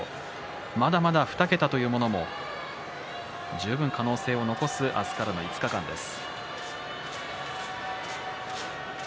まだまだ２桁というものも十分可能性を残す明日からの５日間です。